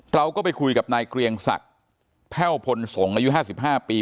เราก็ไปคุยกับนายเกรียงศักดิ์แพ่วพลสงฆ์อายุ๕๕ปี